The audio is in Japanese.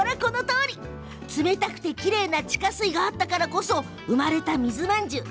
冷たくてきれいな地下水があったからこそ生まれた水まんじゅう。